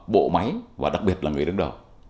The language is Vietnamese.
bộ máy và đặc biệt là người đứng đầu